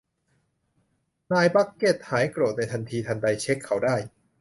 นายบัคเก็ต หายโกรธในทันทีทันใด เช็คเขาได้